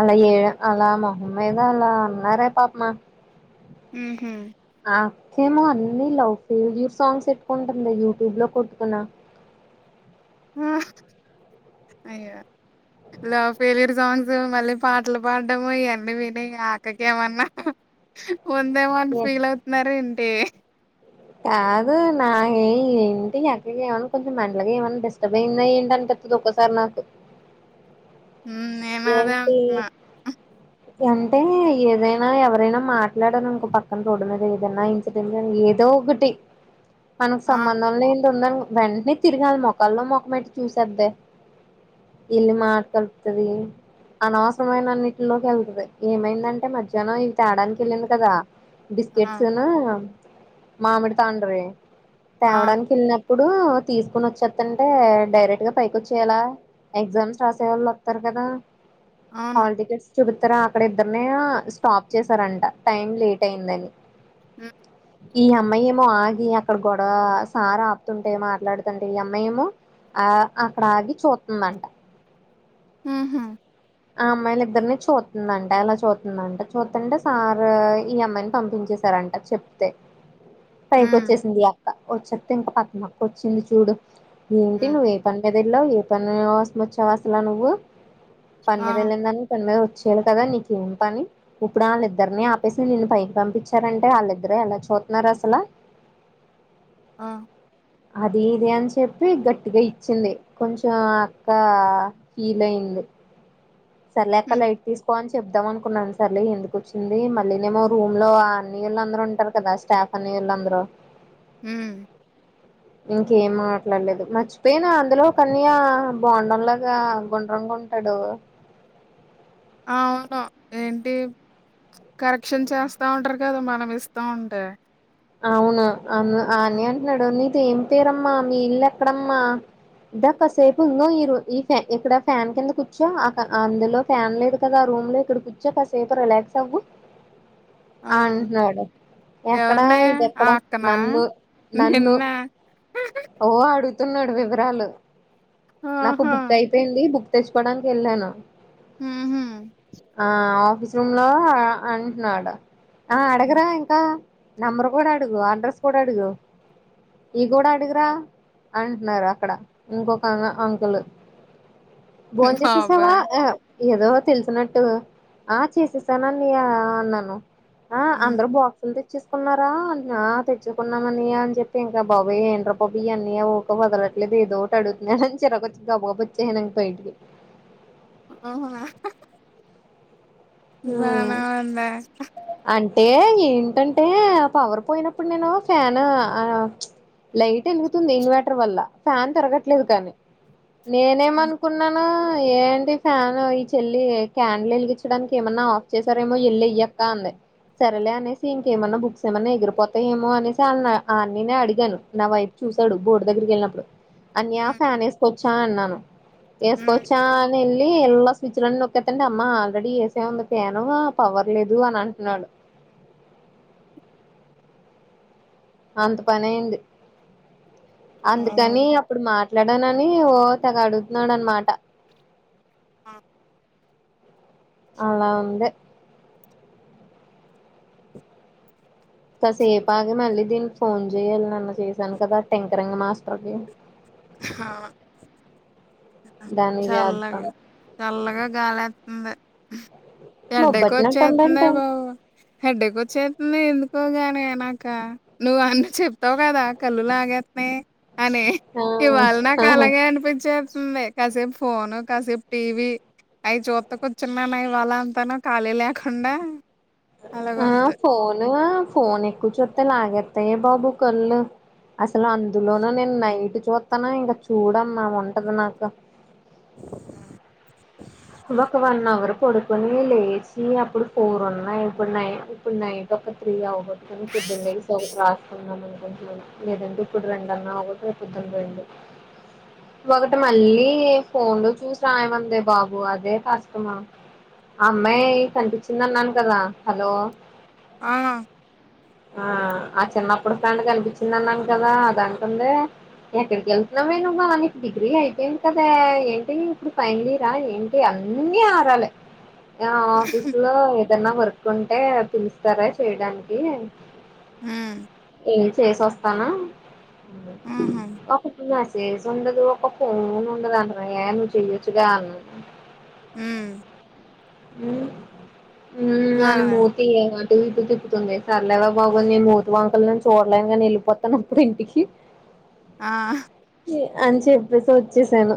అలా ఏ అలా మొహం మీద అలా అన్నారంటా పాపము ఆమ్ హా ఆ అక్కేమో అన్ని లవ్ ఫెయిల్యూర్ సాంగ్స్ పెట్టుకుంటుంది యూట్యూబ్ లో కొట్టుకొని అయ్యో లవ్ ఫేలియుర్ సాంగ్స్ మళ్ళీ పాటలు పాడడము ఇయన్నీ విని ఆ అక్కకేమన్నా ఉందేమో అని ఫీల్ అవుతున్నారు ఇంటే కాదు నాకే ఏంటి అక్కకి ఏమన్నా కొంచం మెంటల్ గా ఏమన్నా డిస్టర్బ్ అయింద ఏంటనిపి ఒక సార్ నాకు ఉమ్ నే ఏంటి? అంటే ఏదైనా ఎవరైనా మాట్లాడాడనుకో పక్కన తోడ్ మీద ఏదనా ఇ ఏదో ఒకటి మనకు ఆ సంబంధం లేంట ఉందని వెంటనే తిరగాలి మోకాల్లో మొఖం పెట్టి చూసద్దే ఇల్లు మర్తే కలుపుతది అనవసరమైన అన్నింటిలోకి వెళ్తది, ఏమైందంటే మధ్యాహ్నం ఇది తేడానికి వెళ్ళింది కదా. ఆ బిస్కెట్స్ ను మామిడి తాండ్రే ఆ తేవడానికెల్న ప్పుడు తీసుకుని వచ్చత్తంటే డైరెక్ట్ గా పైకి వచ్చేయలా ఎగ్జామ్స్ రాసేవాళ్ళు వత్తారు కదా అవును హాల్ టికెట్స్ చూపిత్తారా అక్కడే ఇద్దర్నే స్టాప్ చేసారంట, టైం లేట్ అయిందని ఉం ఈ అమ్మాయేమో ఆగి అక్కడ గొడవ సార ఆపుతుంటే మాట్లాడుతుంటే ఈ అమ్మాయేమో ఆ అక్కడ ఆగి చూతుందంట. ఉహు ఆ అమ్మాయిలు ఇద్దర్ని చూతుందంట అలా చూతుందంట, చూతుంటే సారు ఈ అమ్మాయిని పంపించేశారంట. చెప్తె పైకి ఉమ్ వచ్చేసింది ఈ అక్క, వచ్చేతే ఇంకా పక్కనక్క వచ్చింది చూడు, ఏంటి ఉమ్ నువ్వే పని మీద ఎల్లావ్ ఏ పని కోసం వచ్చావు అసలు నువ్వు? పని ఆ మీద వెళ్ళిన దానివి పని మీద వచ్చేయాలి కదా, నీకేం పని? ఇప్పుడు ఆళ్ళిద్దరిని ఆపేసి నిన్ను పైకి పంపించారంటే, వాళ్ళిద్దరుఎలా చూత్తూన్నారు అసలు? ఆ అది ఇది అని చెప్పి గట్టిగా ఇచ్చింది, కొంచెం ఆ అక్క ఫీల్ అయింది, సర్లేక్క ఉమ్ లైట్ తీసు పోనీ చెప్దాం అనుకున్నాను, సర్లే ఎందుకు వచ్చింది మళ్ళీనేమో రూమ్ లో అన్ని ఇళ్ళు అందరు ఉంటారు కదా స్టాఫ్ కానీ ఇలంద్రూ ఉమ్ ఇంకేం మాట్లాడలేదు మర్చిపోయినా అందులో ఓ కన్యా బొండం లాగా గుండ్రం గుం టాడు ఆ అవును ఏంటి? కరెక్షన్ చేస్తా ఉంటరు కదా మనమిస్తా ఉంటే. అవును అన్ ఆ హ్మ్. అన్నయ అంటున్నాడు, నీది ఏం పేరమ్మా, మీ ఇల్లు ఎక్కడమ్మా? ద కాసేపు ఇంగ ఈ రో ఈ ఫ్యా ఇక్కడ ఫ్యాన్ కింద కూర్చో అక అందులో ఫ్యాన్ లేదు కదా ఆ రూమ్ లో ఇక్కడ కూర్చో కాసేపు రిలాక్స్ అవ్వు ఆ అంటున్నాడు ఎక్క అ ఎవర్ని ఆ ఇదెక్కడ అక్కనా నన్ను నన్ను నిన్నా ఓ అడుగుతున్నాడు వివరాలు, నాకు ఆహా బుక్ అయి ఏంది బుక్ తెచ్చుకోడానికి ఎళ్ళాను ఉహు అ ఆఫీస్ రూంలో అంటున్నాడు ఆ అడగరా ఇంకా నంబర్ కూడా అడుగు అడ్రస్ కూడా అడుగు ఈ కూడా అడిగురా అంటున్నారు అక్కడ ఇంకొక ఆ అంకులు బోన్ చేసేసావా బాబోయ్ ఆ ఏదో తెలిసినట్టు అ చేసేసానన్నయ్య అన్నాను అ ఉమ్ అందరూ బాక్సులు తె చ్చేసుకున్నారా అంటనా ఆ తెచ్చుకున్నామన్నయ్య అని చెప్పి ఇంకా బాబోయ్ ఎండ్రబాబు ఈ అన్నయ్య వదలట్లేదు ఏదో ఒకటి అడుగుతున్నాడు అని చిరకొచ్చి గబగబావచేసను ఇంగ బయటికి అవునా ఉమ్ బానే ఉన్నా అక్క అంటే ఏంటంటే పవర్ పోయినప్పుడు నేను ఫ్యాన్ ఆ లైట్ ఎలుగుతుంది ఇన్వర్టర్ వల్ల ఫ్యాన్ తిరగట్లేదు కానీ నేనేమనుకున్నాను ఏంటి ఫ్యాన్ ఈ చెల్లి క్యాన్లు వెలిగించడానికి ఏమన్నా ఆఫ్ చేసారేమో ఎల్లి ఇయ్యక్క అంది సరేలే అనేసి ఇంకేమన్నా బుక్స్ ఏమన్నా ఎగిరిపోతాయ ఏమో అనేసి వాళ్ అన్న నే అడిగాను నా వైపు చూసాడు బోర్డు దగ్గరికి ఎళ్ళినప్పుడు అన్నయ ఫ్యాన్ వేసుకొచ్చా అన్నాను వేసుకొచ్చా నేను ఎళ్ళి ఎల్లా స్విచ్ లన్నీ నొక్కేదండి అమ్మ ఆల్రెడీ వసే ఉంది ఫ్యాన్ పవర్ లేదు దు అని అంటున్నాడు అంత పని అయింది ఆ అందుకని ఇప్పుడు మాట్లాడానని ఓ తెగ అడుగుతున్నాడు అనమాట అ అలా ఉంది కాసేపు ఆగే మళ్ళీ దీనికి ఫోన్ చేయాలి నాన్న చేశాను కదా టెంకరంగ్ మాస్టర్కి హ దాన్ని చేద్దాం చల్లగా చల్లగా గాలి ఎతుంది ఎడ్డెక్ ఆచ్చేతుందే మొబ్బట్టినట్టుందంటే బాబు హెడ్డక్ ఆచ్చేతుంది ఎందుకో గానీ నాక నువ్వు అన్న చెప్తావు గాదా కళ్ళు లాగేత్తనాయి అనీ ఆ ఇవాళ నాకు ఆహా అలాగే అనిపించేత్దింది కాసేపు ఫోను కాసేపు టీవీ అయి చూత కూచున్నానే ఇవాళ అంతాను ఖాళీ లేకుండా అ అలాగుంది ఫోను ఫోన్ ఎక్కువచుతే లాగేతయే ఏ బాబూ కల్లు అసలు అందులోన నేను నైట్ చుత్తను ఇంగ చూడన్న ఉంటది నాకు ఉ ఒక వన్ హవర్ పడు కొని లేచి అప్పుడు ఫోర్ ఉన్నాయి ఇప్పుడు నై ఇప్పుడు నైట్ ఒక త్రీ అవ్ కా పొద్దున్న స రాకున్నాం అని కుంటున్నాను లేదండి ఇప్పుడు రెండు అన్నా రేపుొద్దున రెండు ఒకటి మళ్ళీ ఫోన్ లో చూసి రాయమందే బాబు బు అదే కాష్టము ఆ అమ్మాయి కనిపించింది అన్నాను కదా హలో ఆ ఆ అ చిన్నప్పుడు ఫ్రెండ్ కనిపించింది అన్నాను కదా అదంటుంది ఎక్కడికి వెళ్తున్నామే నువ్వు వాళకి డిగ్రీ అయిపోయింది కదా ఏంటి ఇప్పుడు ఫైనల్ ఇయరా ఏంటి అ అన్నీ ఆరాలే ఆ ఆఫీస్ లో ఏదన్నా వర్క్ ఉంటే పిలుస్తారా చేయడానికి ఉమ్ ఏ చేసి ఒస్తానా ఉహు [unintelligible] ఉండదు ఒక ఫోన్ ఉండదంటది ఏ నువు చెయొచ్చుగా అన్నను ఉమ్ ఉమ్ ఉమ్ బా అనము ఏం అటు ఇటు తిప్పుతుంది సర్లేవే బాబు నీ మూతి వంకర్లు నేను చూడలేను గానీ ఎళ్ళిపోతానుప్పుడు ఇంటికి ఆ చె అని చెప్పేసి ఒచ్చేసాను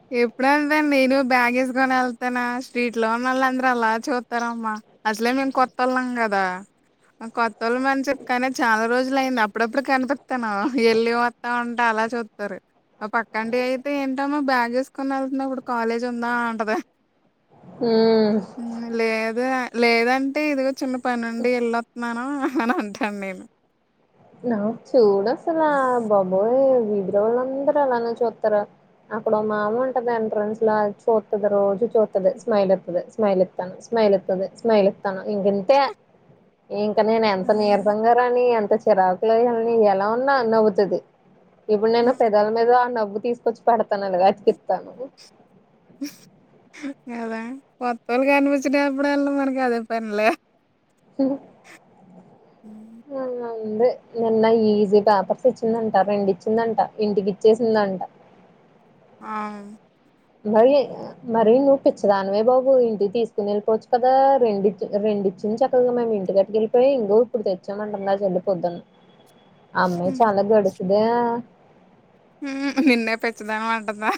[unintelligible] నేను బ్యాగేసుకని ఎళ్తానా స్ట్రీట్ లో ఉన్నోల్లు అందరూ అలా చూ అత్తరమ్మా అసలే మేము కొత్తోళ్ళం కదా అ కొత్తోళ్ళమని చెప్పుకుని కానీ చాలా రోజులు అయింది అప్పుడప్పుడు కనిపిత్తాను ఎల్లేవా [unintelligible] అలా చూత్తరు మా పక్కంట అయితే ఏంటమ బ్యాగ్ ఏసుకుని ఎళ్తనావ్ ఉప్పుడు కాలేజ్ ఉందా అంటది ఊ ఉమ్ లేద లేదాంటి ఇదిగో చిన్న పనుండి ఎల్ళొత్నాను అని అంటాను నేను చూడు అసలా బాబోయ్ వీదిలో వాల్లందరూ అలా నే చూత్తరు అక్కడ ఓ మామ్మ ఉంటది ఎంట్రన్స్ లో అది చూత్తది రోజు చూత్తది స్మైల్ ఇత్తది స్మైల్ ఇ తను స్మైల్ ఇత్తది స్మైల్ ఇత్తాను ఇంకా ఇంతే ఇంకా నేను ఎంత అదే. నీరసంగా రాని ఎంత చిరాకులో ఎల్లని ఎలా ఉన్నా నవ్వుతది ఇప్పుడు నేను ఉమ్, పెదాల మీద ఆ నవ్వు తీసుకొచ్చు పెడతాను అలాగా అతికిత్తాను కదా కొొత్తోళ్లు కనిపిచ్చినప్పుడు అళ్ళ మనకి అదే పనిలే [unintelligible] ఉ నిన్న అంది నిన్న ఈజీ పేపర్స్ ఇచ్చిందంట రెండిచ్చిందంట ఇంటికిచ్చేసిందంట ఆ మరి [unintelligible] మరీ నువ్వు పిచ్చదానివే బాబు ఇంటికి తీసుకుని ఎళ్ళిపోవచ్చు కదా రెండు ఇచ్చి రెండు ఇచ్చింది చక్కగా మేము ఇంటి గట్ ట్టిగెలిపోయి ఇంగో ఇప్పుడు తెచ్చామంటంది ఆ చెల్లి పోొద్దున ఆ అమ్మాయి చాలా గడుసుదే ఉమ్ నిన్నే పిచ్చదానవ్ అంటందా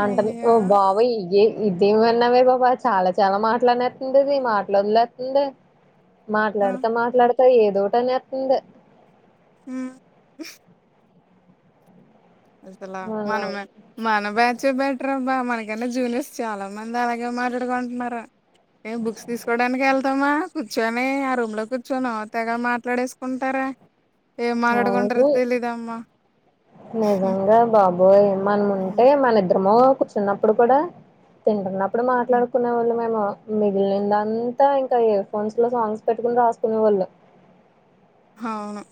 అంటన్ ఓ బాబోయి ఏ ఇదేం విన్నావే బాబా చాలా చాలా మాటలనేత్తంది అది మాటలు ఒదులేతుంది ఆ! మాట్లాడతా మాట్లాడతా ఏదోటనేత్తంది ఉమ్ అసలా మనమ మన బ్యాచే బెటర్ అబ్బా మనకన్నా జూనియర్స్ చాలా మంది అలాగే మాట్లాడుకుంటున్నార మేమ్ బుక్స్ తీసుకోవడానికి ఎళ్తామా కూర్చొని ఆ రూమ్ లో కూర్చొని ఓ తెగ మాట్లాడేసుకుంటారా ఏ అవును మాటాడుకుంటరో తెలీదు అమ్మా నిజంగా బాబోయ్ మనం హ్మ్. ఉంటే మన ఇద్దరమో కుర్చు చున్నప్పుడు కూడా తింటున్నప్పుడు హ్మ్. మాట్లాడుకునే వాళ్ళుమేమో మిగిలిందంతా ఇంకా ఇయర్ ఫోన్స్ లో సాంగ్స్ పెట్టుకుని రాసుకునే వోళ్ళు హవును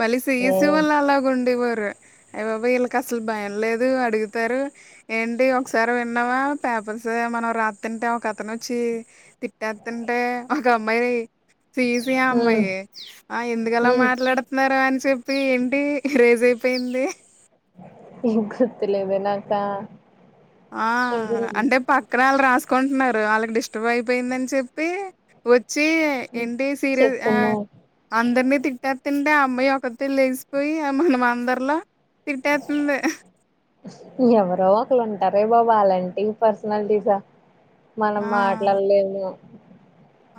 మళ్లి ఏ సిఇసి వాళ్లు అలాగ ఉండేవారు అయి బాబోయి వీళ్ళకి అసలు భయం లేదు అడుగుతారు ఏంటి ఒకసారి విన్నావా పేపర్స్ మనం రాత్తుంటే ఒక అతను వచ్చి తిట్టెత్తుంటే ఒక అమ్మాయి నీ ఫీస్ ప్రియ హ్మ్. అమ్మాయి ఆ ఎందుకలా హ్మ్. మాట్లాడ్ తున్నారా అని చెప్పి ఏంటి రేసు అయిపోయింది ఏం గుర్తులేద నాకా ఆ కొంచెం అంటే పక్కన వాళ్ళు రాసుకుంటున్నారు వాళ్ళకి డిస్టర్బ్ అయిపోయిందని చెప్పి వచ్చి హ్మ్. ఏంటి సీరియస్ ఆ చెప్తున్నా. అందరినీ తిట్టెతుంటే ఆ అమ్మాయి ఒక్కతే లేసిపోయి మనం అందరిల తిట్టెతుంది ఎవరో ఒకళ్ళు ఉంటారే బాబు అలాంటి పర్సనాలిటీసా మనం ఆ మాట్లాడలేము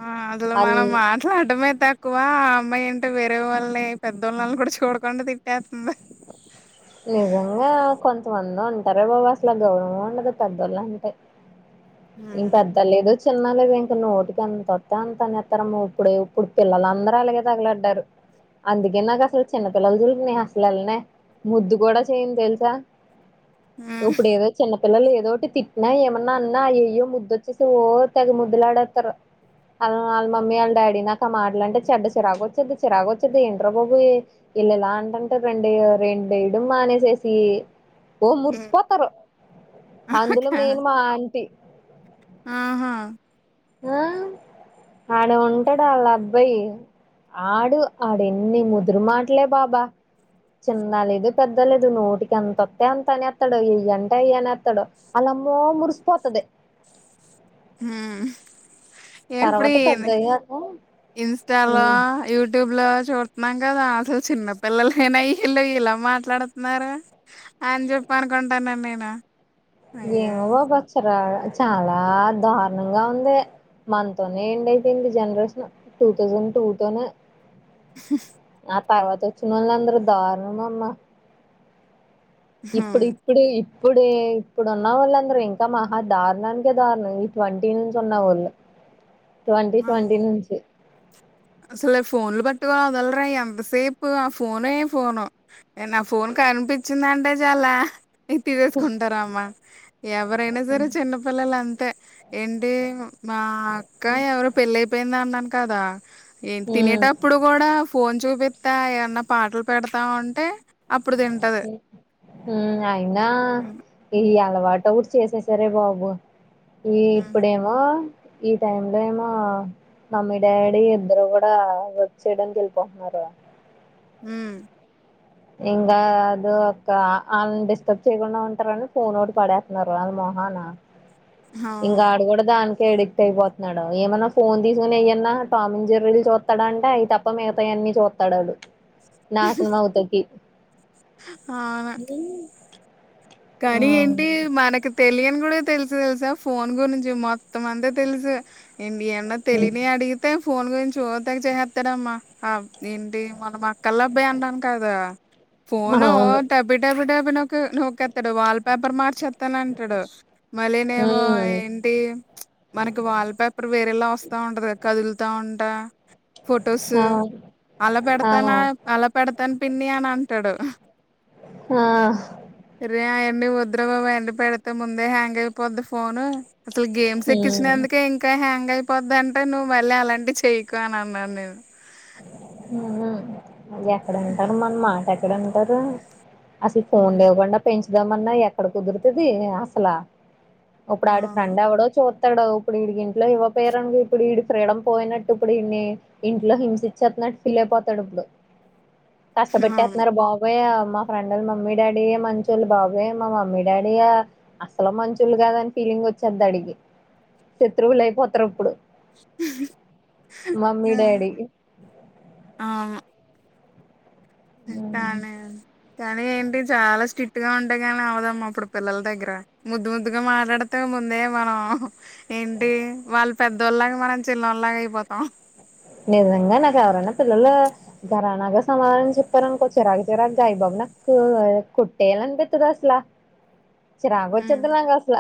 ఆ అందులో అని మనం మా ట్టడమే తక్కువ ఆ అమ్మాయి అంటే వేరే వాళ్ళ పెద్దోళ్ళనీ అని చూడకుండా తిట్టెతుంది నిజంగా కొంతమంది ఉంటారే బాబు అసలు గౌరవం ఉండదు పెద్దోళ్ళు అంటే ఇంకా హ్మ్ పెద్ద లేదు చిన్న లేదు ఇంక నోటికి ఎంత అత్తే అంత అనేత్తరమ్మ ఇప్పుడు ఇప్పుడు పిల్లల అందరు అలాగే తగులడ్డారు అందుకే నాకు అసలు చిన్నపిల్లలు జోలికి నేను అసలు ఎల్లనే ముద్దు కూడా చేయను తెలుసా హ్మ్. ఇప్పుడు ఏదో చిన్నపిల్లలు ఏదోటి తిట్టిన ఏమన్నా అన్నా అయ్యో ముద్దుచ్చేసి ఓ తెగ ముద్దులాడెత్తారు వాళ్ వాళ్ళ మమ్మీ వాళ్ళ డాడీ నాకు ఆ మాట్లాంటే చెడ్డ చిరాగ్గా వచ్చేది చిరాగ్గా వచ్చేది ఏంట్రాబాబు ఇ ఇల్ ఇలా అంటుంటే రెండు ఏయ్ రెండు ఎయడం మానేసేసి ఓ హ్మ్. మురిసిపోతరు అందులో కాదు మేన్ మా ఆంటీ ఆహా ఆ ఆడు ఉంటాడు వాళ్ళ అబ్బాయి ఆడు ఆడు ఎన్ని ముదురు మాటలే బాబా చిన్న లేదు పెద్దలేదు నోటికి ఎంత్తోతే అనెత్తడు ఇయ్యంటే ఇయ్యి అనెత్తడు ఆలమ్మో ఓ మురిసిపోతది హు ఎప్పుడ తర్వాత ఇయ్యని పెద్దయ్యాక ఇన్స్టలో యూ ట్యూబ్ లో చూడుతున్నాం కదా అసలు చిన్నపిల్లలేనా ఇలా మాట్లాడుతున్నారు అని చెప్ప అనుకుంటాన్నాను నేను అయ్యో ఏమో బాబు చీరా చాలా దారుణంగా ఉంది మన తోనే ఎండ్ అయిపోయింది జనరేషన్ టూ థౌసండ్ టూ తోనే హ ఆ తర్వాత వచ్చినోళ్ళు అందరు దారుణం అమ్మ ఇప్పుడు హ్మ్ ఇ ఇప్పుడు ఇప్పుడే ఇప్పుడు ఉన్న వాళ్ళ అందరూ ఇంకా మహా దారుణానికే దారుణం ఈ ట్వంటీ నుంచి ఉన్న వాళ్ళు ట్వంటీ ట్వంటీ నుంచి అసలే ఫోన్లు పట్టుకో వదలరే ఎంతసేపు ఆ ఫోనే ఫోను ఇగ నా ఫోన్ కనిపించిందంటే చాలా తీసేసుకుంటారా అమ్మా ఎవరైనా సరే చిన్నపిల్లలు అంతే ఏంటి మా అక్క ఎవరు పెళ్ళి అయిపోయింది అన్నాను కదా ఏంటి ఉమ్ తినేటప్పుడు కూడా ఫోన్ చూపిత్తా ఏమన్నా పాటలు పెడతా ఉంటే అప్పుడు తిం హు అయినా హ్మ్. ఈ అలవాటు ఒకటి చేసేసారే బాబు ఈ హ్మ్. ఇప్పుడేమో ఈ టైమ్ లో ఏమో మమ్మీ డాడీ ఇద్దరు కూడా వర్క్ చేయడానికి ఎళ్ళిపోతున్నారు ఉమ్మ్ ఇంగా అదొ ఒక్క అళ్ళని డిస్టర్బ్ చేయకుండా ఉంటారని ఫోన్ ఒకటి పడేత్తున్నారు వాళ్ళ మొహాన అవును. ఇంగా ఆడు కూడా దాని కే ఎడిక్ట్ అయిపోతున్నాడు ఏమన్నా ఫోన్ తీసుకుని ఎయన్నా టామ్ అండ్ జెర్రీలు చూత్తడంటే అయి త ప్ప మిగతాయన్నీ చూత్తడు అడు నాశనం అవుతాకి అవును ఆ కానీ అవును ఏంటి మనకు తెలియని కూడా తెలుసు తెలుసా ఫోన్ గురించి మొత్తం అంతా తెలుసు ఏంటి యన్నా హ్మ్ తెలియనియి అడిగి తే ఫోన్ గురించి ఓ తేగ చేసేత్తాడమ్మా ఆ ఏంటి మొన్న మా క్కల అబ్బాయి అంటను కదా ఫోను ఓ టపీ టపీ టపీ నొక్కే నొక్కె త్తాడు వాల్ పేపర్ మార్చేత్తను అంటాడు మళ్ళీ నెమో ఏం టి మనకి వాల్ పేపర్ వేరేలా వస్తా ఉంటది కదా కదులుతా ఉంటా ఫొటోస్సు ఆ అలా ఆ పెడతానా అలా పెడతాను పిన్ని అని అంటాడు ఆ రే అయన్ని వద్దురా బాబోయ్ అయన్ని పెడితే ముందే హ్యాంగ్ అయిపోద్ది ఫోను అసలు గేమ్స్ హ్మ్ ఎక్కిచ్చినందుకే ఇంకా హ్యాంగ్ అయి పోద్దంటే నువ్వు మళ్ళీ అలాంటివి చెయ్యకు అని అన్నాను నేను మ్మ్ఉహ్మ్ ఎక్కడింటారు మన మాట ఎక్కడింటారు అసలు ఫోన్ హ్మ్. లేకుండా పెంచుదామన్నా ఎక్కడ కుదురుతది అసలా ఇప్పుడు ఆడు అవును ఫ్రెండ్ ఎవడో చు త్తడు ఇప్పుడు ఈడికి ఇంట్లో ఇవ్వపోయరు అనుకో ఇప్పుడు ఈడి ఫ్రీడమ్ పోయినట్టు ఇప్పుడు ఈడ్ని ఇంట్లో హిం చ్చేత్తున్నట్టు ఫిల్ అయిపోతాడు ఇప్పుడు కష్ట అవును పెట్టేత్తున్నారు బా బోయ్ మా ఫ్రెండ్లు వాళ్ల మమ్మీ డాడీయే మంచొళ్లు బాబోయ్ మా మమ్మీ డాడీయా అసలు మంచోళ్ళు కాదని ఫీలింగ్ వచ్చేది అడికి శత్రువులు అయిపోతారు అప్పుడు మమ్మీ డాడీ అవును కానీ కానీ ఏంటి చాలా స్ట్రిక్ట్‌గా ఉంటే కాని అవదమ్మా ఇప్పుడు పిల్లల దగ్గర ముద్దు ముద్దుగా మాట్లాడితే ముందే మనం ఏంటి వాళ్ళు పెద్దోళ్ళలాగా మనం చిన్నోళ్ళలాగా అయిపోతాం ననిజంగా నాకు ఎవరన్నా పిల్లలు ఘరానాగా సమాధానం చెప్పారు అనుకో చిరాకు చిరాకుగా ఐబాబోయ్ నాకు కొట్టేయాలి అనిపిత్తది అసలా చిరాకు హ్మ్. వచ్చేద్ది నాకు అసల